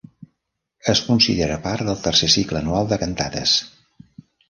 Es considera part del tercer cicle anual de cantates.